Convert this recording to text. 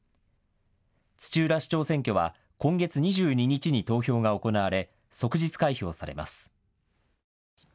土浦市長選挙は今月２２日に投票が行われ、即日開票されます。